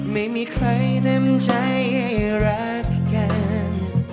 ไม่มีใครเต็มใจให้รักกัน